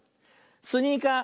「スニーカー」。